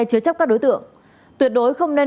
chứa chấp các đối tượng tuyệt đối không nên